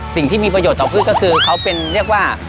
สิ่งที่มีประโยชน์ต่อพืชก็คือเขาเป็นเรียกว่า